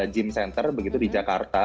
gym center begitu di jakarta